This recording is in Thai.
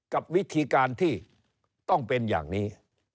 กับวิธีการที่ต้องเป็นอย่างนี้